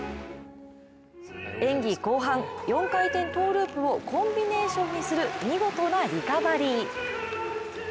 演技後半、４回転トウループをコンビネーションにする見事なリカバリー。